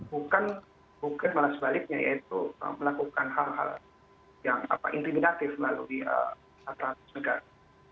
bukan malah sebaliknya yaitu melakukan hal hal yang intimidatif melalui aparat negara